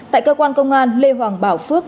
tại cơ quan công an lê hoàng bảo phúc